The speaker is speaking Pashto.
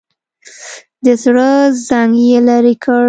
د زړه زنګ یې لرې کړ.